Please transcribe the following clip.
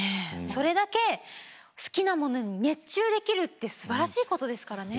それだけ好きなものに熱中できるってすばらしいことですからね。